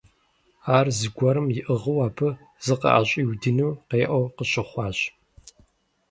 Ар зыгуэрым иӀыгъыу абы зыкъыӀэщӏиудыну къеӀэу къащыхъуащ.